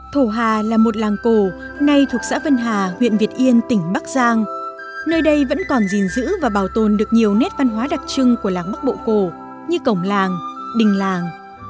thổ hà là một làng cổ nay thuộc xã vân hà huyện việt yên tỉnh bắc giang nơi đây vẫn còn gìn giữ và bảo tồn được nhiều nét văn hóa đặc trưng của làng bắc bộ cổ như cổng làng đình làng